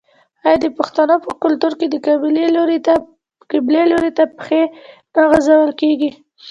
آیا د پښتنو په کلتور کې د قبلې لوري ته پښې نه غځول کیږي؟